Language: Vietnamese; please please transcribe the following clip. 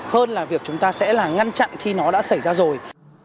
hơn là việc chúng ta sẽ là ngăn chặn khi nó đã xảy ra rồi